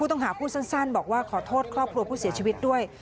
ต้องหาพูดสั้นบอกว่าขอโทษครอบครัวผู้เสียชีวิตด้วย